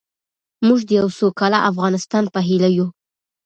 موږ د یو سوکاله افغانستان په هیله یو.